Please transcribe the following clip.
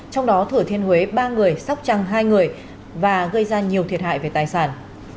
trong đó thừa thiên huế ba người sóc trăng hai người và gây ra nhiều thiệt hại về tài sản